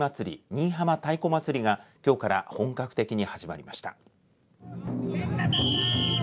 新居浜太鼓祭りがきょうから本格的に始まりました。